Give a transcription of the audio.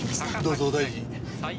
どうぞお大事に。